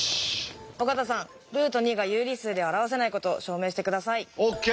尾形さんルート２が有理数では表せないことを証明して下さい。ＯＫ！